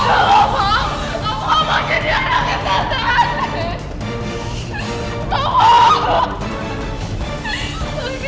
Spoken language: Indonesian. apa makanya dia anaknya tata andis